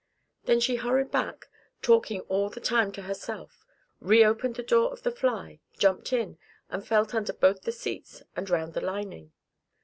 Then she hurried back, talking all the time to herself, re opened the door of the fly, jumped in, and felt under both the seats, and round the lining.